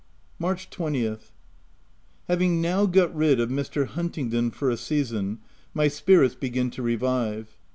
March 20th. — Having now got rid of Mr. Huntingdon for a season, my spirits begin to revive.